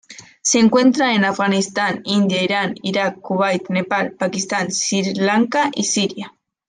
Se encuentra en Afganistán, India, Irán, Irak, Kuwait, Nepal, Pakistán, Sri Lanka y Siria.